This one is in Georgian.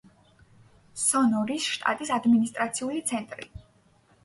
სონორის შტატის ადმინისტრაციული ცენტრი.